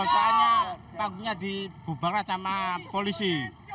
maksudnya paginya dibubarak sama polisi